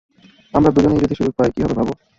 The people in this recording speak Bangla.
আমরা দুইজনেই যদি সুযোগ পাই, কী হবে, ভাবো?